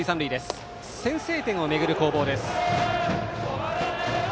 先制点をめぐる攻防です。